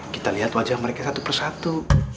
kita lihat wajah mereka satu persatu